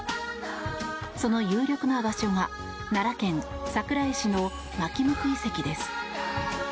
その有力な場所が奈良県桜井市の纏向遺跡です。